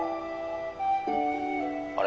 ☎あれ？